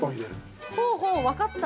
ほうほう、分かった！